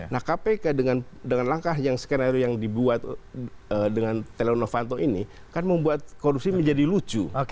nah kpk dengan langkah yang skenario yang dibuat dengan teleno fanto ini kan membuat korupsi menjadi lucu